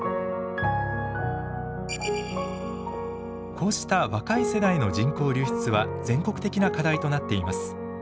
こうした若い世代の人口流出は全国的な課題となっています。